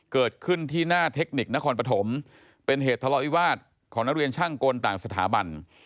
เกิดขึ้นที่หน้าเทคนิคนครปฐมเป็นเหตุทะเลาะวิวาสของนักเรียนช่างกลต่างสถาบัน